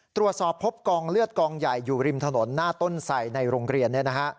ตรวจสอบพบกองเลือดกองใหญ่อยู่ริมถนนหน้าต้นใส่ในโรงเรียน